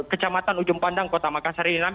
kecamatan ujung pandang kota makassar ini